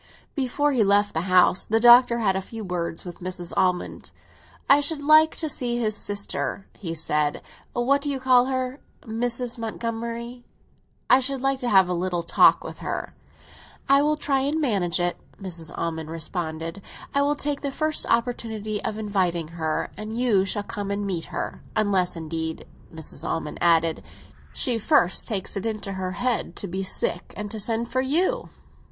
Before he left the house the Doctor had a few words with Mrs. Almond. "I should like to see his sister," he said. "What do you call her? Mrs. Montgomery. I should like to have a little talk with her." "I will try and manage it," Mrs. Almond responded. "I will take the first opportunity of inviting her, and you shall come and meet her. Unless, indeed," Mrs. Almond added, "she first takes it into her head to be sick and to send for you."